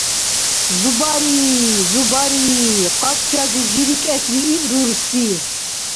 – Зубари-и-и! Зубари-и-и! – къачази жирикӀесрииб рурси.